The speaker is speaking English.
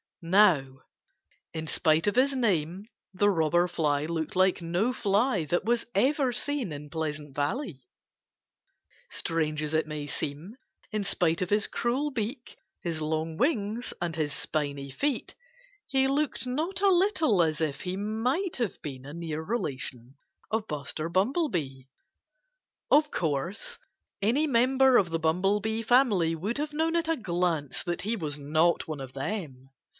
Now, in spite of his name the Robber Fly looked like no fly that was ever seen in Pleasant Valley. Strange as it may seem, in spite of his cruel beak, his long wings, and his spiny feet, he looked not a little as if he might have been a near relation of Buster Bumblebee. Of course, any member of the Bumblebee family would have known at a glance that he was not one of them.